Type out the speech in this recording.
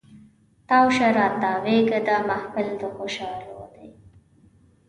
تاو شه تاویږه دا محفل د خوشحالو دی